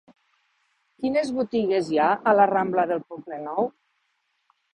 Quines botigues hi ha a la rambla del Poblenou?